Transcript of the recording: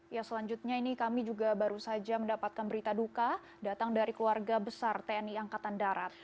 ya selanjutnya ini kami juga baru saja mendapatkan berita duka datang dari keluarga besar tni angkatan darat